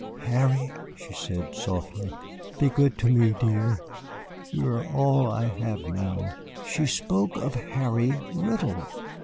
"Harry," she said softly, "be good to me, dear. You are all I have now." She spoke of Harry Riddle!